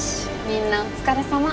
みんなお疲れさま。